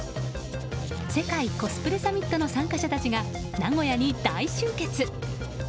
世界コスプレサミットの参加者たちが名古屋に大集結。